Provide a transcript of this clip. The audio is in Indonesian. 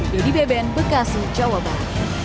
dini beben bekasi jawabah